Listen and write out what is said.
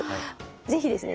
是非ですね